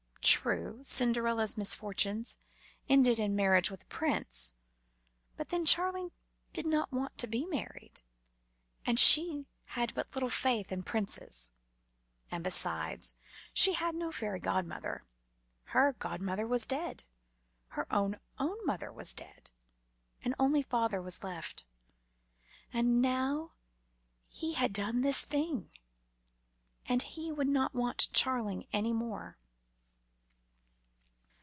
True, Cinderella's misfortunes ended in marriage with a prince, but then Charling did not want to be married, and she had but little faith in princes, and, besides, she had no fairy godmother. Her godmother was dead, her own, own mother was dead, and only father was left; and now he had done this thing, and he would not want his Charling any more.